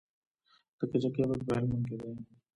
د کجکي بند په هلمند کې دی